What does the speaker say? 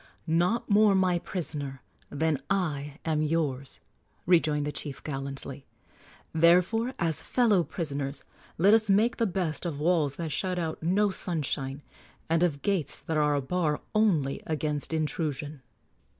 "Not more my prisoner than I am yours," rejoined the chief, gallantly. "Therefore, as fellow prisoners, let us make the best of walls that shut out no sunshine, and of gates that are a bar only against intrusion."